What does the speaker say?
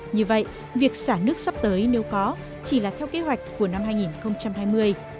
như vậy việc xả nước sắp tới nếu có chỉ là theo kế hoạch của năm hai nghìn hai mươi